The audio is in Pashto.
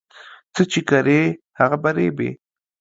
څه چې کرې، هغه به ريبې